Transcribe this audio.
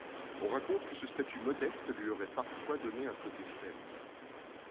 On raconte que ce statut modeste lui aurait parfois donné un côté faible.